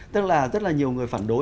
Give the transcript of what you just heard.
tức là rất là nhiều người phản đối